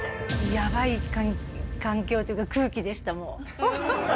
やばい環境っていうか空気でした。